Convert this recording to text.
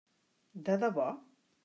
De debò?